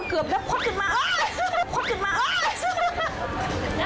เกือบแล้วพอจุดมา